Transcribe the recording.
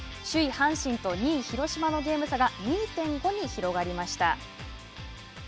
阪神と２位広島のゲーム差が２．５に広がりました。